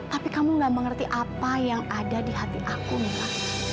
tapi kamu gak mengerti apa yang ada di hati aku misalnya